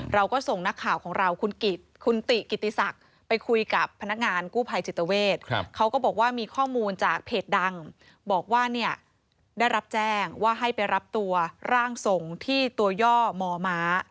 เราก็ส่งนักข่าวของเราคุณติกิติศักดิ์ไปคุยกับพนักงานกู้ภัยจิตเวทเขาก็บอกว่ามีข้อมูลจากเพจดังบอกว่าเนี่ยได้รับแจ้งว่าให้ไปรับตัวร่างทรงที่ตัวย่อมอม้า